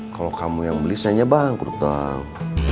kalau kamu yang beli saya bangkrut dong